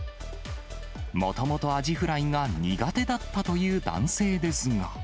もともとアジフライが苦手だったという男性ですが。